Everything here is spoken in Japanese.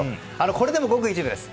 これでもごく一部です。